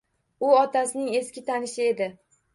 U otasining eski tanishi edi